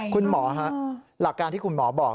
คุณหมอฮะหลักการที่คุณหมอบอก